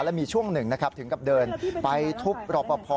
และมีช่วงหนึ่งถึงกับเดินไปทุกรอบประพอ